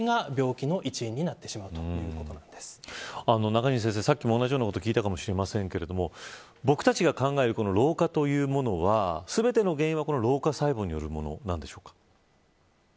中西先生、さっきも同じようなことを聞いたかもしれませんが僕たちが考える老化というものは全ての原因は老化細胞によるものなんでしょうか。